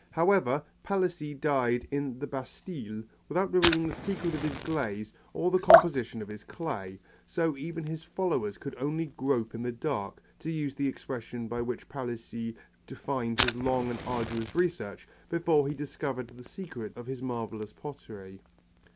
However, Palissy died in the Bastille without revealing the secret of his glaze or the composition of his clay, so even his followers could only grope in the dark, to use the expression by which Palissy defined his long and arduous research, before he discovered the secret of his marvellous pottery.